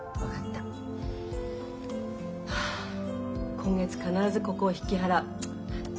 今月必ずここを引き払う。